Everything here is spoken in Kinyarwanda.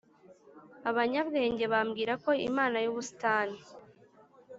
abanyabwenge bambwira ko imana yubusitani